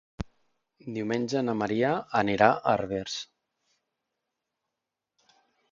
Diumenge na Maria anirà a Herbers.